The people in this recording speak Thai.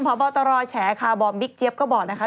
พบตรแฉคาบอมบิ๊กเจี๊ยบก็บอกนะคะ